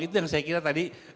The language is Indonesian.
itu yang saya kira tadi